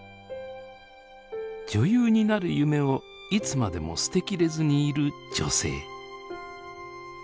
女優になる夢をいつまでも捨てきれずにいる女性。